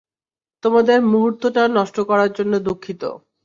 তোমাদের মূহুর্তটা নষ্ট করার জন্য দুঃখিত।